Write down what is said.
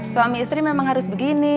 suami istri memang harus begini